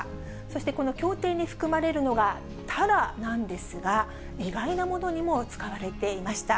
そして、この協定に含まれるのが、タラなんですが、意外なものにも使われていました。